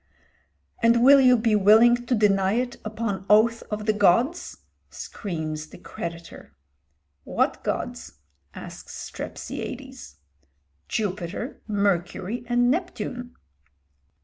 "And will you be willing to deny it upon oath of the gods?" screams the creditor. "What gods?" asks Strepsiades. "Jupiter, Mercury, and Neptune."